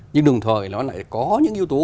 nhưng đồng thời nó lại có những yếu tố